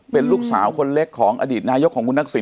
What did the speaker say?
เป็นลูกสาวคนเล็กของอดีตนายกของคุณทักษิณ